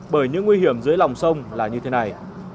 bởi những nguy hiểm dưới lòng sông là như thế này